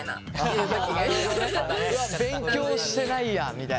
うわっ勉強してないやみたいな？